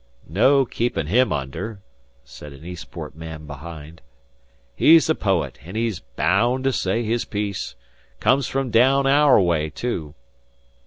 "No keepin' him under," said an Eastport man behind. "He's a poet, an' he's baound to say his piece. 'Comes from daown aour way, too."